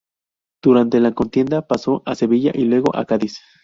Durante la contienda pasó a Sevilla y luego a Cádiz.